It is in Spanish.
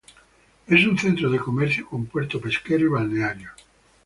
Es un centro de comercio con puerto pesquero y balnearios.